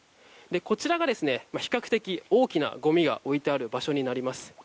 こちらが比較的大きなごみが置いてある場所になります。